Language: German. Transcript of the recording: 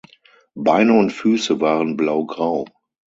Beine und Füße waren blaugrau.